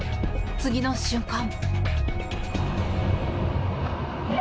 次の瞬間。